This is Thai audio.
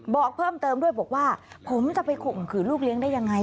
บอกเพิ่มเติมด้วยบอกว่าผมจะไปข่มขืนลูกเลี้ยงได้ยังไง